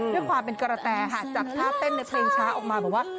ด้วยความเป็นกระแตค่ะจับท่าเต้นในเพลงช้าออกมาบอกว่า